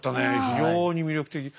非常に魅力的。